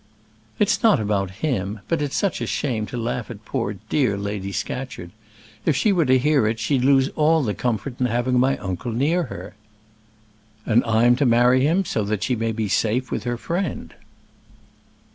"It's not about him; but it's such a shame to laugh at poor dear Lady Scatcherd. If she were to hear it she'd lose all comfort in having my uncle near her." "And I'm to marry him, so that she may be safe with her friend!"